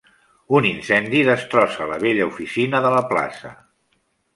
Un incendi destrossa la vella oficina de la plaça.